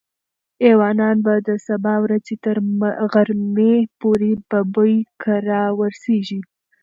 ایوانان به د سبا ورځې تر غرمې پورې ببۍ کره ورسېږي.